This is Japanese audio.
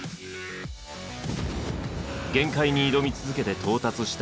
限界に挑み続けて到達した